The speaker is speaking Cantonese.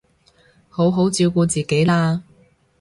好好照顧自己啦